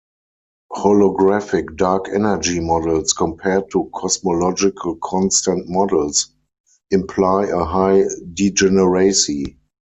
Holographic Dark Energy models compared to Cosmological Constant models, imply a high degeneracy.